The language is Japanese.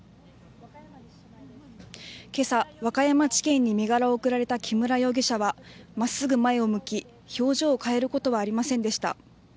けさ、和歌山地検に身柄を送られた木村容疑者は、まっすぐ前を向き、表情を変えることはありませんでした。